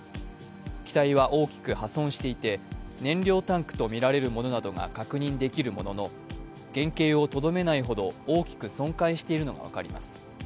機体は大きく破損していて、燃料タンクとみられるものなどが確認できるものの、原形をとどめないほど大きく損壊しているのが分かります。